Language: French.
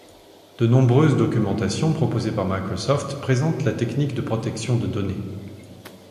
De nombreuses documentations proposées par Microsoft présentent la technique de protection de données.